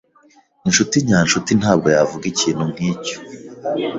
Inshuti nyancuti ntabwo yavuga ikintu nkicyo.